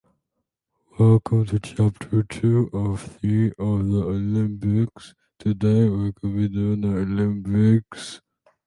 An infidel crowd refused to believe that he was the son of God.